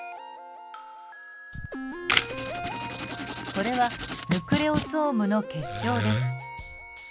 これはヌクレオソームの結晶です。